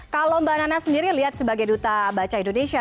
kalau mbak nana sendiri lihat sebagai duta baca indonesia